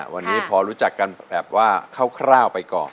วันนี้พอรู้จักกันแบบว่าคร่าวไปก่อน